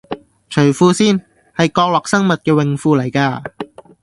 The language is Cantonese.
除褲先，係角落生物嘅泳褲嚟㗎